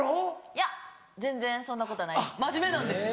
いや全然そんなことないです。